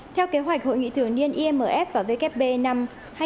theo kế hoạch hội nghị thường niên imf và vkp năm hai nghìn hai mươi